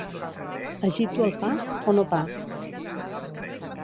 Agito el pas, o no pas?